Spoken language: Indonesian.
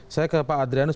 saya ke pak adrianus